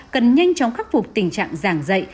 cần nhanh chóng khắc phục tình trạng giảng dạy